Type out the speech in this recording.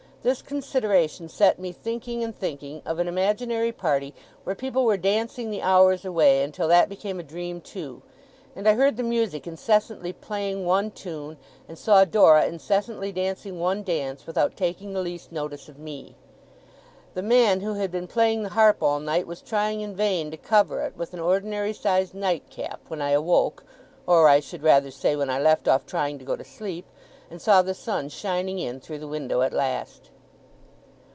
This consideration set me thinking and thinking of an imaginary party where people were dancing the hours away, until that became a dream too, and I heard the music incessantly playing one tune, and saw Dora incessantly dancing one dance, without taking the least notice of me. The man who had been playing the harp all night, was trying in vain to cover it with an ordinary sized nightcap, when I awoke; or I should rather say, when I left off trying to go to sleep, and saw the sun shining in through the window at last.